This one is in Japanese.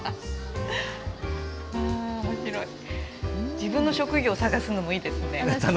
自分の職業探すのもいいですね。